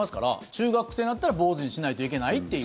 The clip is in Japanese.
中学生になったら坊主にしないといけないという。